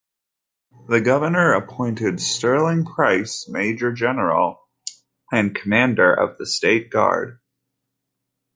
The governor appointed Sterling Price major general and commander of the State Guard.